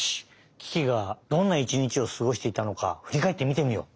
キキがどんな１にちをすごしていたのかふりかえってみてみよう！